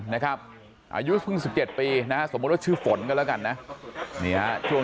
อายุพึ่ง๑๗ปีสมมติว่าชื่อฝนก็แล้วกัน